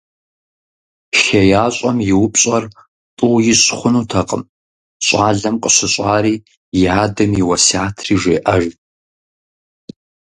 ХеящӀэм и упщӀэр тӀу ищӀ хъунутэкъыми, щӀалэм къыщыщӏари и адэм и уэсиятри жеӀэж.